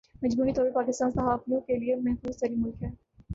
مجموعی طور پر پاکستان صحافیوں کے لئے محفوظ ترین ملک ہے